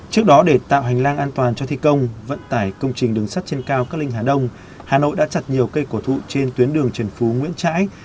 trước đó để tạo hành lang an toàn cho thi công vận tải công trình đường sắt trên cao cát linh hà đông hà nội đã chặt nhiều cây cổ thụ trên tuyến đường trần phú nguyễn trãi